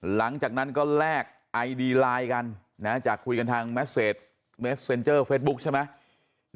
หลังจากนั้นก็แลกไอดีไลน์กันจากคุยกันทางเมสเซ็นเจอร์เฟสบุ๊คใช่ไหม